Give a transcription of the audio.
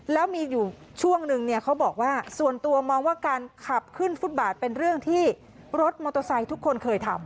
แล้วมีอยู่ช่วงนึงเนี่ยเขาบอกว่าส่วนตัวมองว่าการขับขึ้นฟุตบาทเป็นเรื่องที่รถมอเตอร์ไซค์ทุกคนเคยทำ